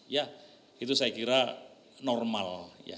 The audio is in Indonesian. ya itu saya kira normal ya